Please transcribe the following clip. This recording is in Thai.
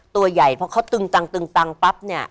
ตัวใหญ่เพราะเขาตึงตังตึงตังปั๊บเนี่ย